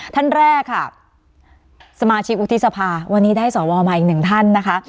ท่านแรกค่ะสมาชิกวุฒิสภาวันนี้ได้สวมาอีกหนึ่งท่านนะคะ